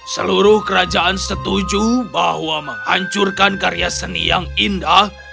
seluruh kerajaan setuju bahwa menghancurkan karya seni yang indah